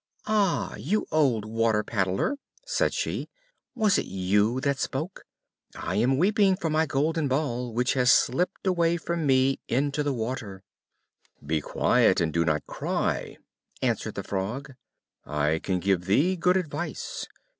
"Ah! you old water paddler," said she, "was it you that spoke? I am weeping for my golden ball, which has slipped away from me into the water." "Be quiet, and do not cry," answered the Frog; "I can give thee good advice.